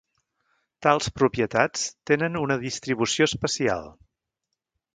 Tals propietats tenen una distribució espacial.